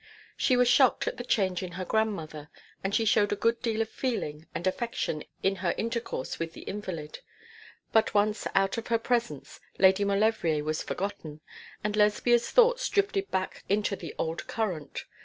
She was shocked at the change in her grandmother, and she showed a good deal of feeling and affection in her intercourse with the invalid; but once out of her presence Lady Maulevrier was forgotten, and Lesbia's thoughts drifted back into the old current.